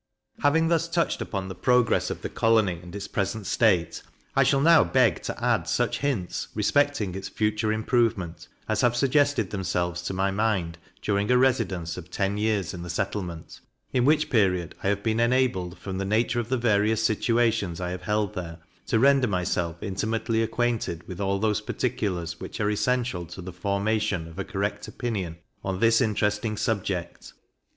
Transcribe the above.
Having thus touched upon the progress of the Colony and its present state, I shall now beg to add such Hints respecting its future improvement, as have suggested themselves to my mind during a residence of ten years in the settlement, in which period I have been enabled, from the nature of the various situations I have held there, to render myself intimately acquainted with all those particulars which are essential to the formation of a correct opinion on this interesting subject.